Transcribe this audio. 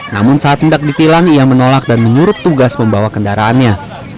namun saat mendak ditilang ia menolak dan menyuruh tugas membawa kendaraannya